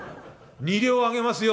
二両あげますよ」。